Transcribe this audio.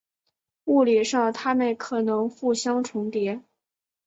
物理上它们可能互相重叠。